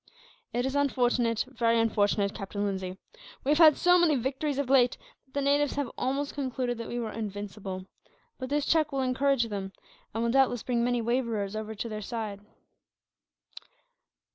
"It is unfortunate, very unfortunate, Captain Lindsay. We have had so many victories, of late, that the natives must have almost concluded that we were invincible; but this check will encourage them, and will doubtless bring many waverers over to their side."